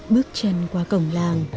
bước chân qua cổng làng